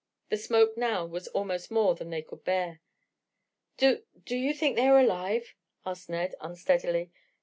The smoke now was almost more than they could bear. "Do do you think they are alive?" asked Ned unsteadily.